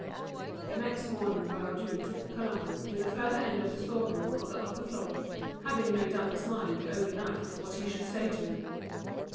The next morning Baudu took Colomban to the further end of the store room on the upper floor, having made up his mind over night what be should say to him.